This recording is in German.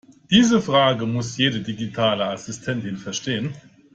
Diese Frage muss jede digitale Assistentin verstehen.